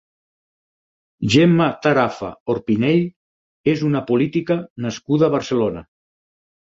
Gemma Tarafa Orpinell és una política nascuda a Barcelona.